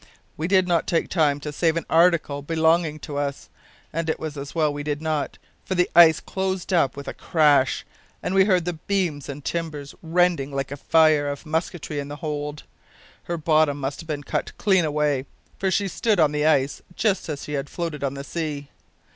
We did not take time to save an article belongin' to us; and it was as well we did not, for the ice closed up with a crash, and we heard the beams and timbers rending like a fire of musketry in the hold. Her bottom must have been cut clean away, for she stood on the ice just as she had floated on the sea.